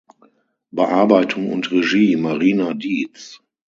Bearbeitung und Regie: Marina Dietz.